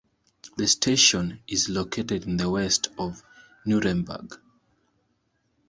The station is located in the west of Nuremberg.